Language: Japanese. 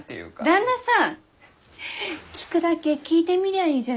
旦那さん聞くだけ聞いてみりゃいいじゃない。